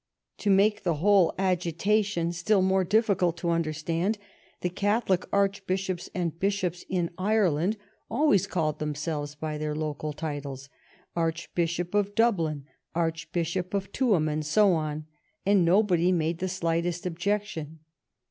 To make the whole agitation still more difficult to understand, the Catholic Archbishops and Bishops in Ireland always called themselves by their local titles. Archbishop of Dub lin, Archbishop of Tuam, and so on, and nobody made the slightest objection.